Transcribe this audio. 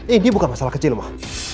ini bukan masalah kecil mah